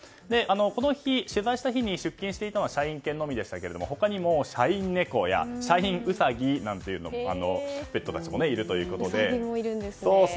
この日、取材した日に出勤していたのは社員犬のみでしたが他にも、社員猫や社員ウサギのペットたちもいるということで。